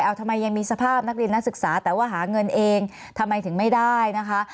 เอาทำไมยังมีสภาพนักเรียนนักศึกษาแต่ว่าหาเงินเองทำไมถึงไม่ได้นะคะ